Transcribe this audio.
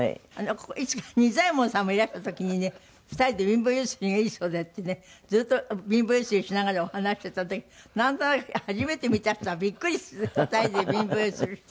いつか仁左衛門さんもいらした時にね２人で「貧乏揺すりがいいそうで」ってねずっと貧乏揺すりしながらお話ししてた時なんとなく初めて見た人はビックリする２人で貧乏揺すりしてて。